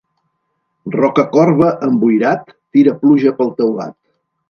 Rocacorba emboirat, tira pluja pel teulat.